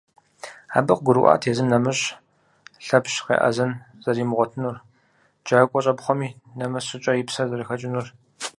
Абы къыгурыӀуат езым нэмыщӀ Лъэпщ къеӀэзэн зэримыгъуэтынур, джакӀуэ щӀэпхъуэми, нэмыс щӀыкӀэ, и псэр зэрыхэкӀынур.